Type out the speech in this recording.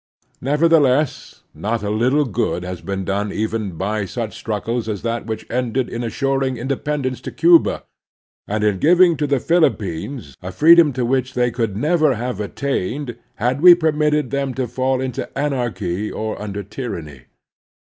Never theless, not a little good has been done even by such struggles as that which ended in insuring independence to Cuba, and in giving to the Philip pines a freedom to which they could never have attained had we permitted them to fall into anar The Heroic Virtues 257 chy or under tyranny.